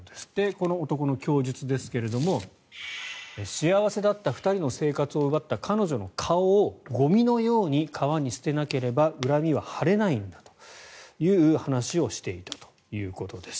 この男の供述ですが幸せだった２人の生活を奪った彼女の顔をゴミのように川に捨てなければ恨みは晴れないんだという話をしていたということです。